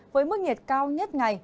với mức nhiệt cao nhất ngày